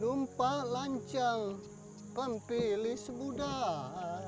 lumpa lancang pempilih semudah